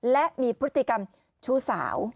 และมีพฤติกรรมชู้สาว